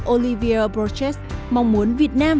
olivier borges mong muốn việt nam